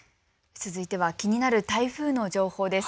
続いては気になる台風の情報です。